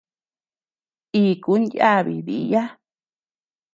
Ikun yábi diiya.